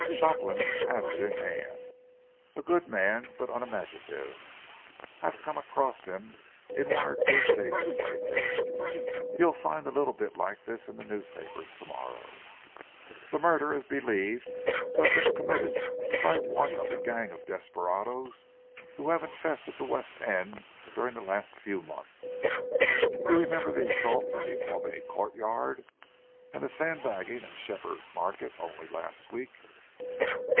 "Shopland has it in hand. A good man but unimaginative. I've come across him in one or two cases lately. You'll find a little bit like this in the papers to morrow: 'The murder is believed to have been committed by one of the gang of desperadoes who have infested the west end during the last few months.' You remember the assault in the Albany Court Yard, and the sandbagging in Shepherd Market only last week?"